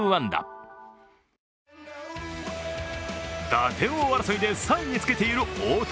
打点王争いで３位につけている大谷。